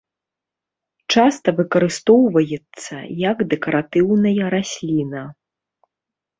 Часта выкарыстоўваецца як дэкаратыўная расліна.